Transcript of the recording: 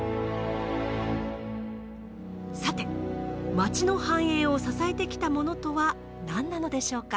さて町の繁栄を支えてきたものとは何なのでしょうか。